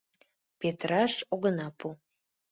— Петыраш огына пу!